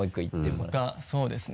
ほかそうですね。